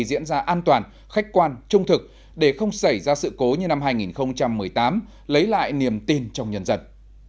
diễn ra an toàn khách quan trung thực để không xảy ra sự cố như năm hai nghìn một mươi tám lấy lại niềm tin trong nhân dân